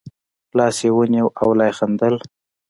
لاس یې ونیو او لا یې خندل.